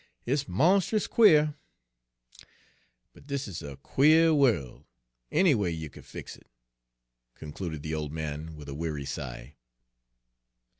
Hit's monst'us quare. But dis is a quare worl', anyway yer kin fix it," concluded the old man, with a weary sigh.